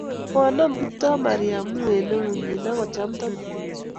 Konam Kiptoo Mariamu eng eut nyin ako cham toket